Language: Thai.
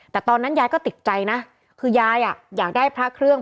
แต่ตอนนั้นยายก็ติดใจนะคือยายอยากได้พระเครื่อง